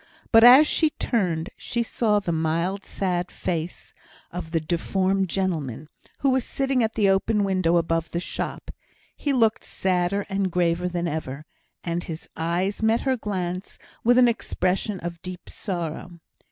But as she turned, she saw the mild sad face of the deformed gentleman, who was sitting at the open window above the shop; he looked sadder and graver than ever; and his eyes met her glance with an expression of deep sorrow.